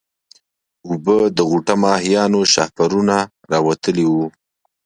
اوبه د غوټه ماهيانو شاهپرونه راوتلي وو.